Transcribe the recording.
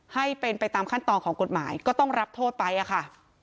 ให้เป็นไปตามขั้นตอนของกฎหมายก็ต้องรับโทษไปอะค่ะ